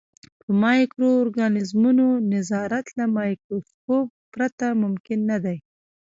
په مایکرو ارګانیزمونو نظارت له مایکروسکوپ پرته ممکن نه دی.